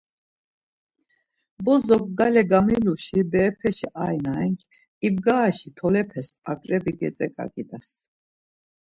Bozo gale gamiluşi berepeşi ay na-renk, 'ibgaraşi tolepes aǩrep̌i getzegaǩidas!